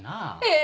え？